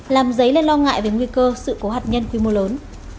làm dấy lên lo ngại về nguy cơ sự cố hạt nhân quy mô lớn